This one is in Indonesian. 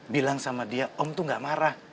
bilang sama dia om tuh gak marah